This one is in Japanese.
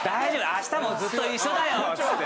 明日もずっと一緒だよって。